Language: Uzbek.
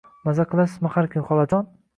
Maza qilasizmi har kun, xolajon?